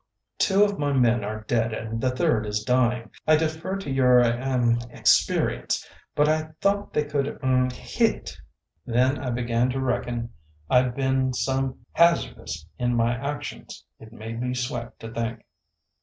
"Two of my men are dead and the third is dying. I defer to your er experience, but I thought they could er hit." Then I began to reckon I'd been some hazardous in my actions. It made me sweat to think.